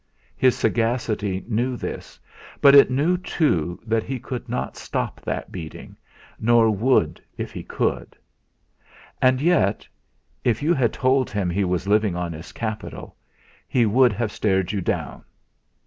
His sagacity knew this, but it knew too that he could not stop that beating, nor would if he could. And yet, if you had told him he was living on his capital, he would have stared you down.